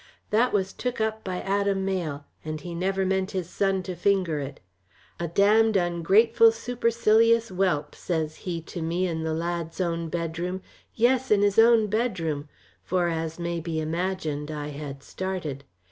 That was took up by Adam Mayle, and he never meant his son to finger it. 'A damned ungrateful, supercilious whelp,' says he to me in the lad's own bedroom; yes, in his own bedroom" for, as may be imagined, I had started.